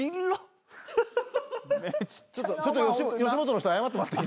ちょっと吉本の人謝ってもらって。